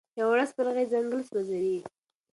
یوه وړه سپرغۍ ځنګل سوځوي.